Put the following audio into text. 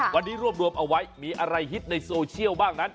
วันนี้รวบรวมเอาไว้มีอะไรฮิตในโซเชียลบ้างนั้น